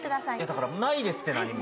だからないですって、何も。